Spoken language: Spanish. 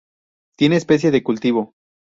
Tiene especie de cultivo.